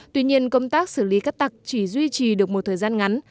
tuy nhiên công tác xử lý các tạc chỉ duy trì được một thời gian ngắn